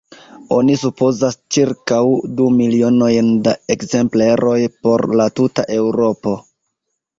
Oni supozas ĉirkaŭ du milionojn da ekzempleroj por la tuta Eŭropo.